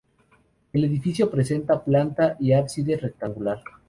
El edificio presenta planta y ábside rectangular.